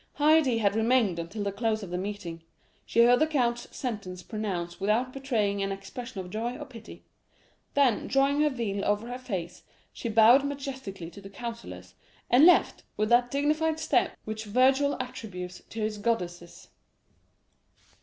"Haydée had remained until the close of the meeting. She heard the count's sentence pronounced without betraying an expression of joy or pity; then drawing her veil over her face she bowed majestically to the councillors, and left with that dignified step which Virgil attributes to his goddesses."